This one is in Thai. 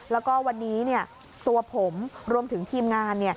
แล้วก็วันนี้ตัวผมรวมถึงทีมงาน